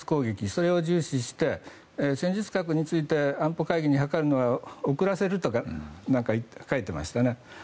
それを重視して戦術核について安保会議に諮るのを遅らせるとか書いていましたね。